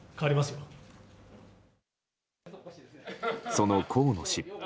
その河野氏。